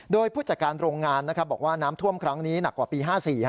โดยผู้จัดการโรงงานบอกว่าน้ำท่วมครั้งนี้หนักกว่าปี๕๔